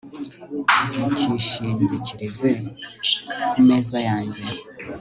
Ntukishingikirize ku meza yanjye